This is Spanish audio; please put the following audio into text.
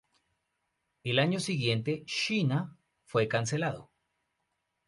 El año siguiente, Sheena fue cancelado.